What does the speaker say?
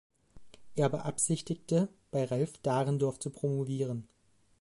Er beabsichtigte, bei Ralf Dahrendorf zu promovieren.